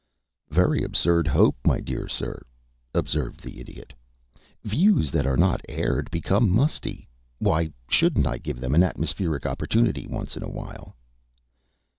"Very absurd hope, my dear sir," observed the Idiot. "Views that are not aired become musty. Why shouldn't I give them an atmospheric opportunity once in a while?"